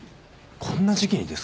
こんな時期にですか？